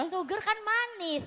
sugar kan manis